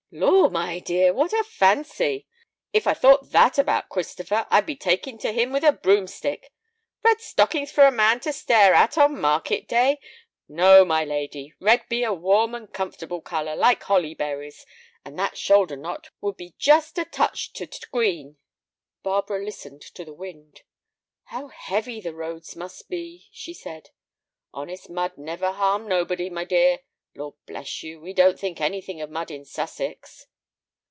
"Lor', my dear, what a fancy! If I thought that about Christopher, I'd be talking to him with a broomstick. Red stockings for a man to stare at on market day! No, my lady, red be a warm and comfortable color, like holly berries, and that shoulder knot would just be a touch to t' green." Barbara listened to the wind. "How heavy the roads must be!" she said. "Honest mud never harmed nobody, my dear. Lord bless you, we don't think anything of mud in Sussex."